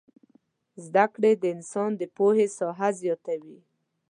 زدکړې د انسان د پوهې ساحه زياتوي